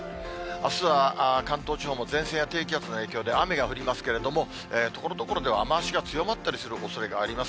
あすは関東地方も前線や低気圧の影響で雨が降りますけれども、ところどころでは雨足が強まったりするおそれがあります。